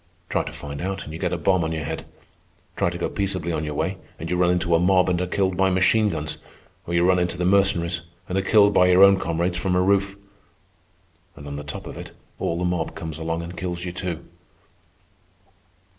Try to find out, and you get a bomb on your head. Try to go peaceably on your way, and you run into a mob and are killed by machine guns, or you run into the Mercenaries and are killed by your own comrades from a roof. And on the top of it all the mob comes along and kills you, too."